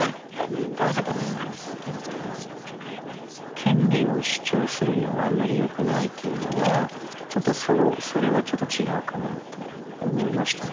権利を主張するのはあんまりよくないというのはちょっとそのそれはちょっと違うかなと思いましたね。